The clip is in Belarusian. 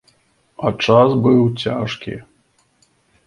А час быў цяжкі.